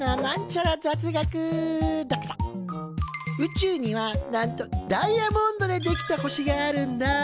宇宙にはなんとダイヤモンドで出来た星があるんだ。